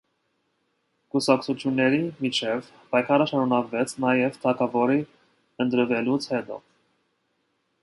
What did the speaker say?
Կուսակցությունների միջև պայքարը շարունակվեց նաև թագավորի ընտրվելուց հետո։